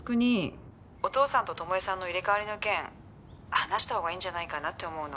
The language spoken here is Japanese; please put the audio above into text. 「お父さんと巴さんの入れ替わりの件話したほうがいいんじゃないかなって思うの」